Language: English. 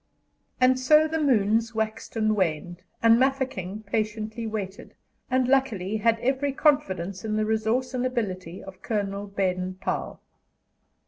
And so the moons waxed and waned, and Mafeking patiently waited, and, luckily, had every confidence in the resource and ability of Colonel Baden Powell.